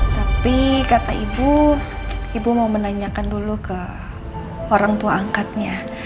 tapi kata ibu ibu mau menanyakan dulu ke orang tua angkatnya